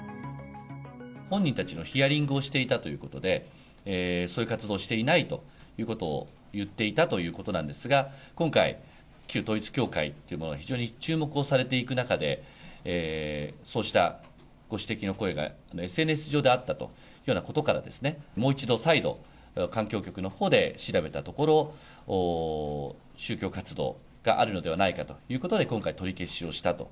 本人たちのヒアリングをしていたということで、そういう活動をしていないということを言っていたということなんですが、今回、旧統一教会というものが非常に注目をされていく中で、そうしたご指摘の声がＳＮＳ上にあったというようなことから、もう一度、再度、環境局のほうで調べたところ、宗教活動があるのではないかということで、今回、取り消しをしたと。